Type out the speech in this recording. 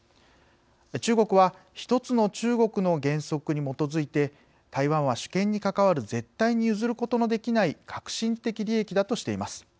中国は一つの中国の原則に基づいて台湾は、主権に関わる絶対に譲ることのできない核心的利益だとしています。